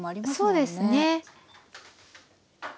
そうですね。